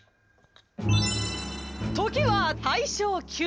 「時は大正９年。